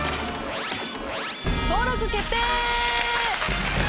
登録決定！